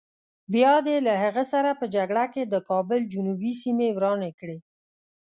بیا دې له هغه سره په جګړه کې د کابل جنوبي سیمې ورانې کړې.